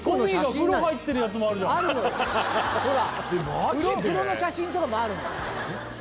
風呂の写真とかもあるのよ